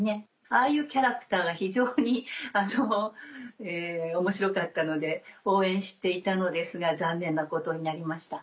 ああいうキャラクターが非常に面白かったので応援していたのですが残念なことになりました。